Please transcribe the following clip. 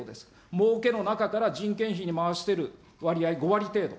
もうけの中から人件費に回してる割合、５割程度。